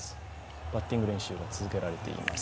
バッティング練習が続けられています。